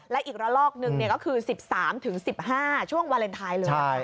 และอีกระลอกหนึ่งก็คือ๑๓๑๕ช่วงวาเลนไทยเลย